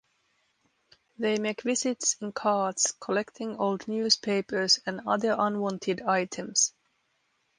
They make visits in carts, collecting old newspapers and other unwanted items.